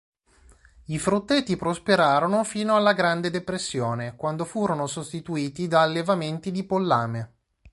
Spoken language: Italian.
I frutteti prosperarono fino alla grande depressione, quando furono sostituiti da allevamenti di pollame.